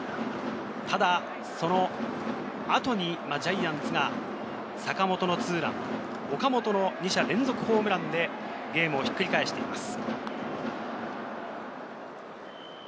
ただその後にジャイアンツが坂本のツーラン、岡本の２者連続ホームランでゲームをひっくり返しています。